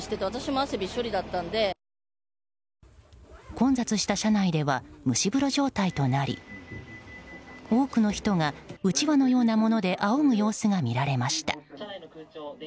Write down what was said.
混雑した車内では蒸し風呂状態となり多くの人がうちわのようなものであおぐ様子が見られました。